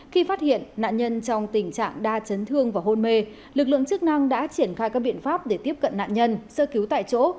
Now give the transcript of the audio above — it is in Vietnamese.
khi phát hiện nạn nhân trong tình trạng đa chấn thương và hôn mê lực lượng chức năng đã triển khai các biện pháp để tiếp cận nạn nhân sơ cứu tại chỗ